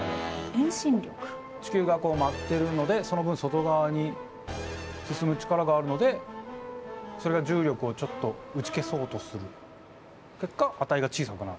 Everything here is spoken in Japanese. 地球がこう回ってるのでその分外側に進む力があるのでそれが重力をちょっと打ち消そうとする結果値が小さくなる。